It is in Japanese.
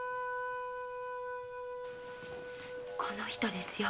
この人ですよ。